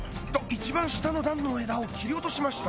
一番下の段の枝を切り落としました